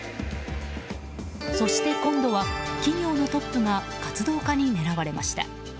そして今度は企業のトップが活動家に狙われました。